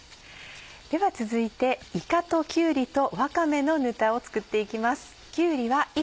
では続いて「いかときゅうりとわかめのぬた」を作っていきます。